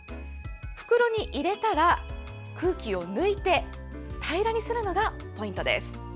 袋に入れたら空気を抜いて平らにするのがポイントです。